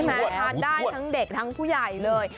ทานได้ทั้งเด็กทั้งผู้ใหญ่เลย